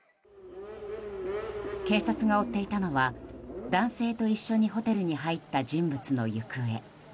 警察が追っていたのは男性と一緒にホテルに入った人物の行方。